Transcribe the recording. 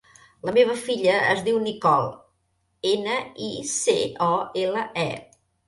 La meva filla es diu Nicole: ena, i, ce, o, ela, e.